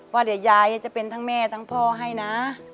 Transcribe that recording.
ว่าเดี๋ยวยายจะเป็นทั้งแม่ทั้งพ่อให้นะ